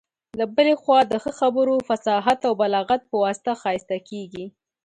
له بلي خوا د ښه خبرو، فصاحت او بلاغت په واسطه ښايسته کيږي.